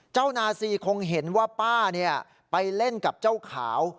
นาซีคงเห็นว่าป้าไปเล่นกับเจ้าขาว